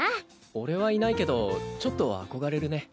俺はいないけどちょっと憧れるね。